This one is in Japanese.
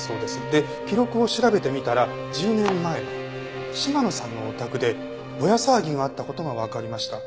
で記録を調べてみたら１０年前嶋野さんのお宅でぼや騒ぎがあった事がわかりました。